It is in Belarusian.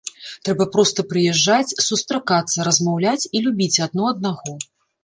Трэба проста прыязджаць, сустракацца, размаўляць і любіць адно аднаго.